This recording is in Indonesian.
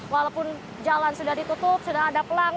walaupun jalan sudah ditutup sudah ada pelang